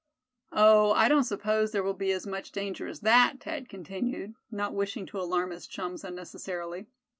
"Oh! I don't suppose there will be as much danger as that," Thad continued, not wishing to alarm his chums unnecessarily.